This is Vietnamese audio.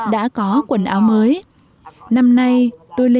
đã có quần áo mới